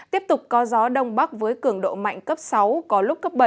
tiếp tục có gió đông bắc với cường độ mạnh cấp sáu có lúc cấp bảy